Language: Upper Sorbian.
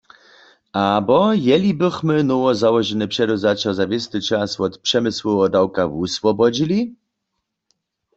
Abo jeli bychmy nowozałožene předewzaća za wěsty čas wot přemysłoweho dawka wuswobodźili?